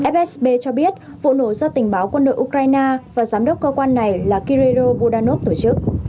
fsb cho biết vụ nổ do tình báo quân đội ukraine và giám đốc cơ quan này là kireronov tổ chức